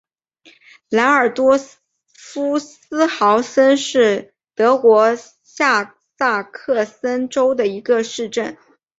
兰多尔夫斯豪森是德国下萨克森州的一个市镇。